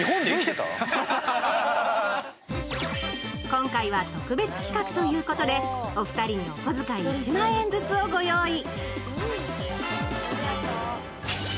今回は特別企画ということでお二人にお小遣い１万円ずつをご用意。